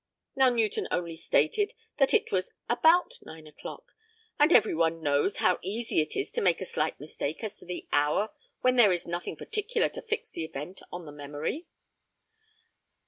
Now Newton only stated that it was about nine o'clock, and every one knows how easy it is to make a slight mistake as to the hour when there is nothing particular to fix the event on the memory.